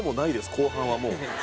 後半はもう。